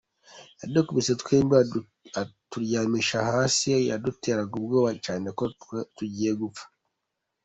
Yadukubise twembi aturyamishije hasi, yaduteraga ubwoba cyane ko tugiye gupfa.